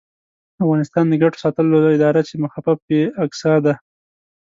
افغانستان د ګټو ساتلو اداره چې مخفف یې اګسا دی